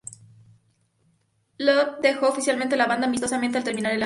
Love dejó oficialmente la banda amistosamente al terminar el año.